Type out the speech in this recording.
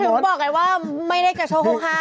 ถึงบอกไงว่าไม่ได้กระโชว์โฮฮา